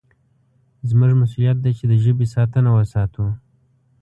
زموږ مسوولیت دی چې د ژبې ساتنه وساتو.